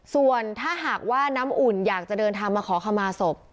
ส่วนถ้าหากว่าน้ำอุ่นอยากจะเดินทางมาขอขมาศพ